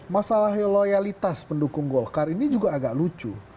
masalah loyalitas pendukung golkar ini juga agak lucu